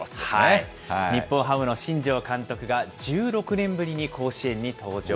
日本ハムの新庄監督が、１６年ぶりに甲子園に登場。